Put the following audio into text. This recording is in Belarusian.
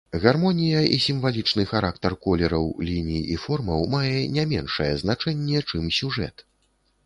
Гармонія і сімвалічны характар колераў, ліній і формаў мае не меншае значэнне, чым сюжэт.